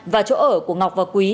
và chỗ ở của ngọc và quý